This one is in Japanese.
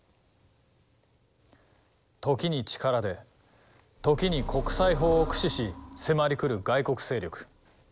時に力で時に国際法を駆使し迫りくる外国勢力。